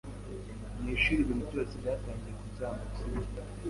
mu ishuri, ibintu byose byatangiye kuzamba kuri njye.